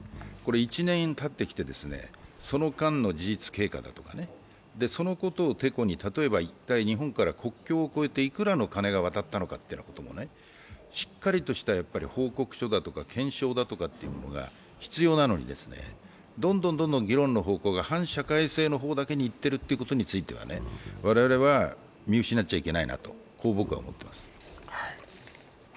１年たってきて、その間の事実経過だとか、そのことをてこに、一体日本から国境を越えて幾らの金が渡ったのかということもしっかりとした報告書だとか検証だとかが必要なのにどんどん議論の方向が反社会性の方にだけいってるということは、我々は見失っちゃいけないなと僕は思っています。